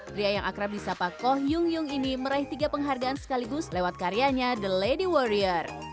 pria yang akrab di sapa koh yung yung ini meraih tiga penghargaan sekaligus lewat karyanya the lady warrior